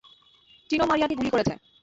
চিনো মারিয়াকে গুলি করেছে।